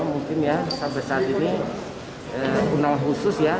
mungkin ya sampai saat ini undang khusus ya